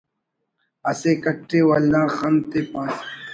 اسے کٹے ولدا خن تے پاسہ ناظم ءِ یا شوم اسے جند انا تے نن